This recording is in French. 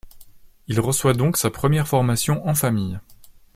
Il reçoit donc sa première formation en famille.